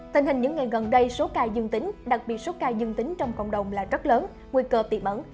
tình hình những ngày gần đây số ca dương tính đặc biệt số ca dương tính trong cộng đồng là rất lớn nguy cơ tiệm ẩn